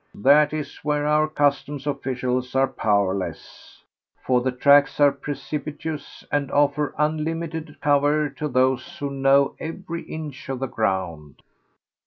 That is where our customs officials are powerless, for the tracks are precipitous and offer unlimited cover to those who know every inch of the ground.